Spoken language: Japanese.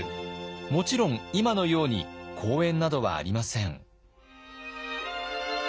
もちろん今のように公園などはありません。